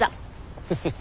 フフフフ！